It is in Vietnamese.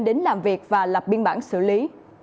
đến làm việc và lập biên bản xử lý